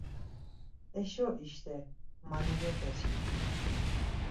Heşo işte manebepeçkimi.